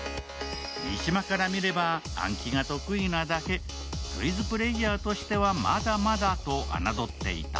三島から見れば、暗記が得意なだけクイズプレーヤーとしてはまだまだと侮っていた。